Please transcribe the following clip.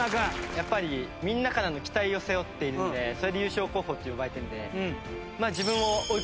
やっぱりみんなからの期待を背負っているのでそれで優勝候補って呼ばれているので。